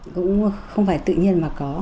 cũng không phải tự nhiên mà có